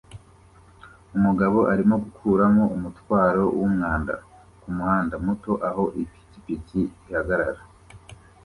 Umugabo arimo gukuramo umutwaro wumwanda kumuhanda muto aho ipikipiki ihagarara